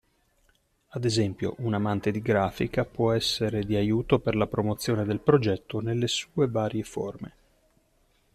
Ad esempio, un amante di grafica può essere di aiuto per la promozione del progetto nelle sue varie forme.